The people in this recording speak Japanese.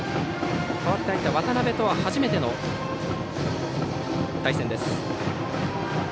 代わって入った渡辺とは初めての対戦です。